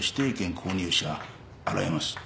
購入者洗えます。